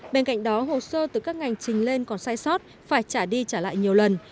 bên cạnh đó hồ sơ từ các ngành trình lên còn sai sót phải trả đi trả lại nhiều lần